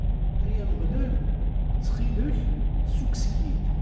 Ay Ameɣlal, ttxil-k ssukkes-iyi-d!